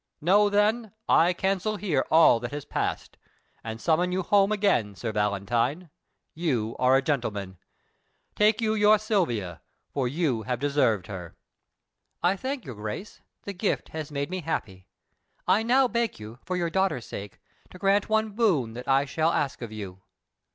Know, then, I cancel here all that has passed, and summon you home again Sir Valentine, you are a gentleman. Take you your Silvia, for you have deserved her." "I thank your Grace; the gift has made me happy. I now beg you, for your daughter's sake, to grant one boon that I shall ask of you."